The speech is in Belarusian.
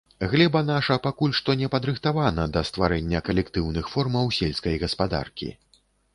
Глеба наша пакуль што не падрыхтавана да стварэння калектыўных формаў сельскай гаспадаркі.